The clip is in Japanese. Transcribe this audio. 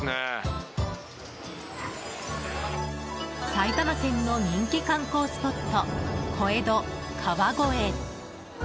埼玉県の人気観光スポット小江戸・川越。